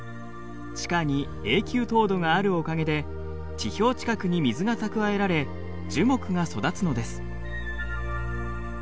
地下に永久凍土があるおかげで地表近くに水が蓄えられ樹木が育つのです。